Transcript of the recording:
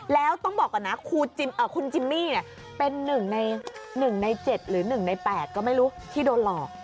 แล้วต้องบอกก่อนนะคุณจิมมี่เป็น๑ใน๑ใน๗หรือ๑ใน๘ก็ไม่รู้ที่โดนหลอก